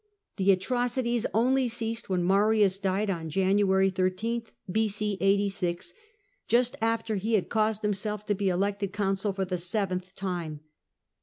The atrocities only ceased when Marius died, on January 13th, B.c. 86, just after he had caused himself to be elected consul for the seventh time.